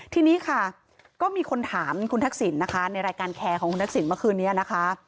ทีนี้ค่ะก็มีคนถามคุณทักษิณนะคะในรายการแคร์ของคุณทักษิณเมื่อคืนนี้นะคะ